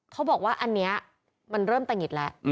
เขาบอกว่าอันนี้มันเริ่มตะหิดแล้ว